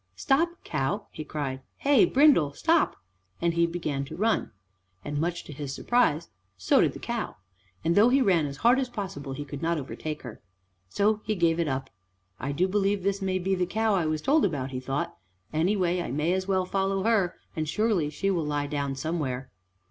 "Stop, cow," he cried, "hey brindle, stop," and he began to run; and much to his surprise so did the cow, and though he ran as hard as possible, he could not overtake her. So he gave it up. "I do believe this may be the cow I was told about," he thought. "Any way, I may as well follow her and surely she will lie down somewhere."